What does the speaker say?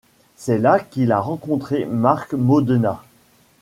C'est là qu'il a rencontré Marc Modena.